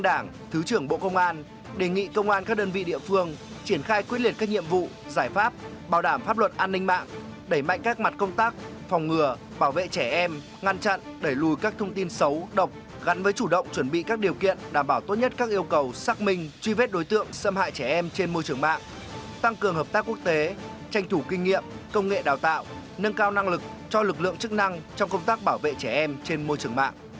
đảng bộ công an đề nghị công an các đơn vị địa phương triển khai quyết liệt các nhiệm vụ giải pháp bảo đảm pháp luật an ninh mạng đẩy mạnh các mặt công tác phòng ngừa bảo vệ trẻ em ngăn chặn đẩy lùi các thông tin xấu độc gắn với chủ động chuẩn bị các điều kiện đảm bảo tốt nhất các yêu cầu xác minh truy vết đối tượng xâm hại trẻ em trên môi trường mạng tăng cường hợp tác quốc tế tranh thủ kinh nghiệm công nghệ đào tạo nâng cao năng lực cho lực lượng chức năng trong công tác bảo vệ trẻ em trên